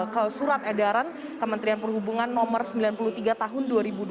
ke surat edaran kementerian perhubungan nomor sembilan puluh tiga tahun dua ribu dua puluh